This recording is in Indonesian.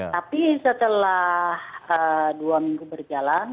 tapi setelah dua minggu berjalan